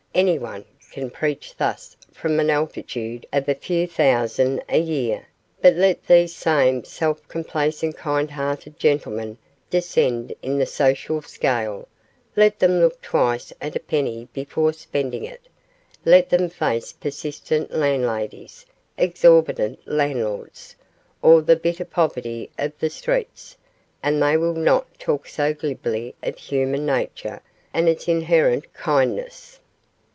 anyone can preach thus from an altitude of a few thousands a year, but let these same self complacent kind hearted gentlemen descend in the social scale let them look twice at a penny before spending it let them face persistent landladies, exorbitant landlords, or the bitter poverty of the streets, and they will not talk so glibly of human nature and its inherent kindness.